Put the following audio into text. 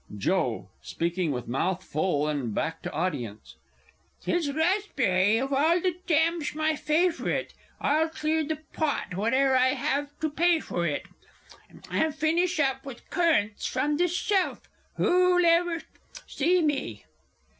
_ Joe (speaking with mouth full and back to audience). 'Tis raspberry of all the jams my favourite; I'll clear the pot, whate'er I have to pay for it! And finish up with currants from this shelf ... Who'll ever see me?